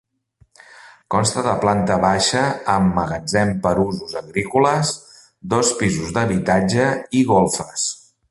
Consta de planta baixa, amb magatzem per usos agrícoles, dos pisos d'habitatge i golfes.